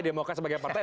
demokrasi sebagai partai